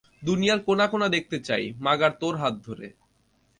দুনিয়ার কোণা কোণা দেখতে চাই মাগার তোর হাত ধরে!